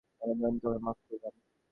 বিনোদিনী কহিল, মাপ করিলাম।